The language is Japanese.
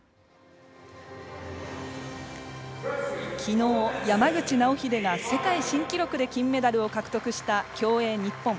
昨日、山口尚秀が世界新記録で金メダルを獲得した競泳日本。